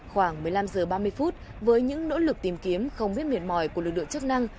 khoảng một mươi năm h ba mươi phút với những nỗ lực tìm kiếm không biết mệt mỏi của lực lượng chức năng